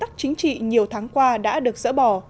chính trị nhiều tháng qua đã được dỡ bỏ